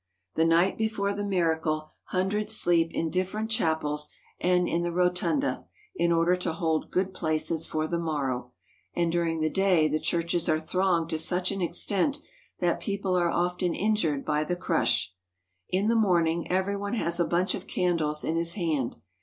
The night before the miracle hundreds sleep in differ ent chapels and in the rotunda, in order to hold good places for the morrow, and during the day the churches are thronged to such an extent that people are often injured by the crush. In the morning everyone has a bunch of candles in his hand.